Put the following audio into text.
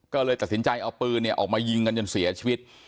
ก็เลยตัดสินใจเอาปืนออกมายิงกันจนเสียชีวิต